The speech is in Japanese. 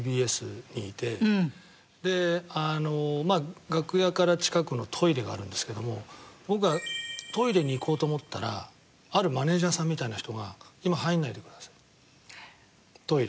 であの楽屋から近くのトイレがあるんですけども僕がトイレに行こうと思ったらあるマネジャーさんみたいな人が「今入らないでくださいトイレ」。